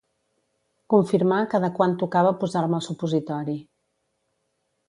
Confirmar cada quant tocava posar-me el supositori.